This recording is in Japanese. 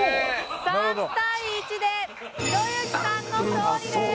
３対１でひろゆきさんの勝利です！